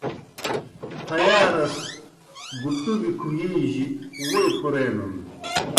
پھیارَس گُٹُبیْ کُہِی جیْ ووئی پُرینِن۔